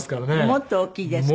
もっと大きいですかね。